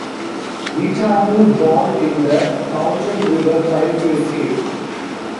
Weetamoo drowned in the Taunton River trying to escape.